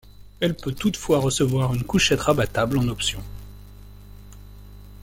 Elle peut toutefois recevoir une couchette rabattable en option.